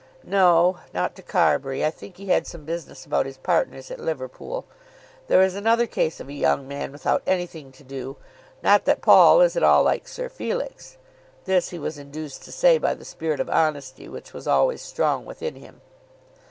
"No; not to Carbury. I think he had some business about his partners at Liverpool. There is another case of a young man without anything to do. Not that Paul is at all like Sir Felix." This he was induced to say by the spirit of honesty which was always strong within him.